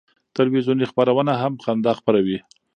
تلویزیوني خپرونه هم خندا خپروي.